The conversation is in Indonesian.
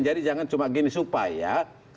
jadi jangan cuma gini supaya